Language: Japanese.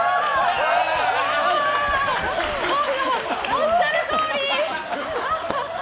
おっしゃるとおり！